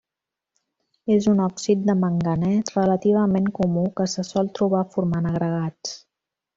És un òxid de manganès relativament comú que se sol trobar formant agregats.